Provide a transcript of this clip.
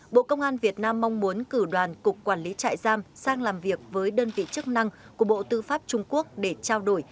bộ công an việt nam mong muốn cử đoàn cục quản lý trại giam sang làm việc với đơn vị chức năng của bộ tư pháp trung quốc để trao đổi